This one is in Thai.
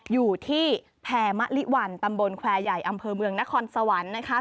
อยู่ที่แพรมะลิวันตำบลแควร์ใหญ่อำเภอเมืองนครสวรรค์นะคะ